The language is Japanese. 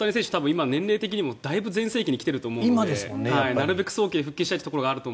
今、年齢的にもだいぶ全盛期に来ていると思いますのでなるべく早期に復帰したいところがあると